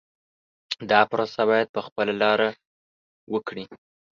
دا پروسه باید په خپله لاره وکړي.